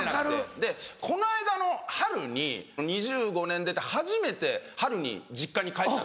この間の春に２５年出て初めて春に実家に帰ったんですよ。